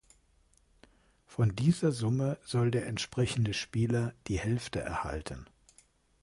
Von dieser Summe soll der entsprechende Spieler die Hälfte erhalten.